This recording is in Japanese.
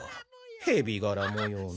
ヘビがらもようの。